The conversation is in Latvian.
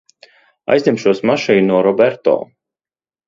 Aizņemšos mašīnu no Roberto.